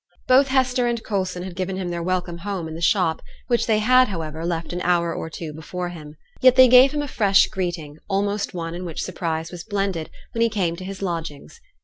Both Hester and Coulson had given him their welcome home in the shop, which they had, however, left an hour or two before him. Yet they gave him a fresh greeting, almost one in which surprise was blended, when he came to his lodgings.